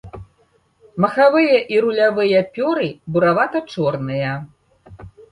Махавыя і рулявыя пёры буравата-чорныя.